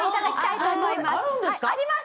あります！